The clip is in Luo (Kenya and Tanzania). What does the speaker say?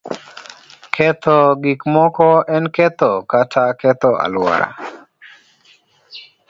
Ketho gik moko en ketho kata ketho alwora.